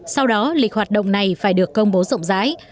sau đó lịch hoạt động này phải được công bố rộng rãi